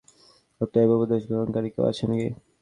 অতএব, উপদেশ গ্রহণকারী কেউ আছে কি?